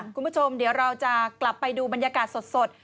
คุณผู้ชมเดี๋ยวเราจะกลับไปดูบรรยากาศสด